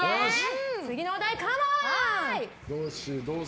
次のお題、カモン！